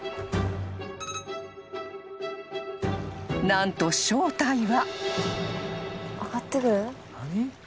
［何と正体は］